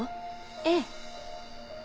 ええ。